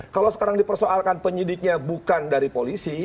kalau sekarang dipersoalkan penyidiknya bukan dari polisi